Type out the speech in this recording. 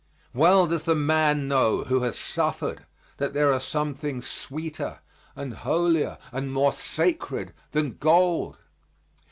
Well does the man know, who has suffered, that there are some things sweeter and holier and more sacred than gold.